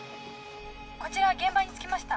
こちら現場に着きました。